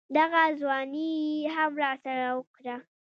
دغه ځواني يې هم راسره وکړه.